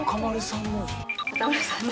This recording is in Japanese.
中丸さんの。